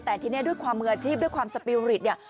แต่ทีนี้ด้วยความมืออาชีพด้วยความสปีริตเนี่ย